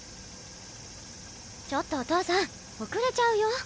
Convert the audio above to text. ちょっとお父さん遅れちゃうよぉ。